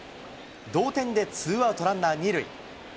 同点でツーアウトランナー２塁。